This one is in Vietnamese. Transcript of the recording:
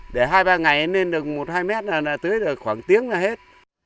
để hai ba ngày nên được một hai mét là tưới khoảng tiếng là hết